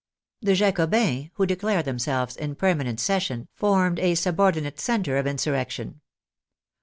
The Jacobins, who declared themselves in permanent session, formed a subordinate center of insurrection.